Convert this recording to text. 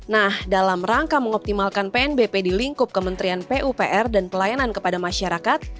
nah dalam rangka mengoptimalkan pnbp di lingkup kementerian pupr dan pelayanan kepada masyarakat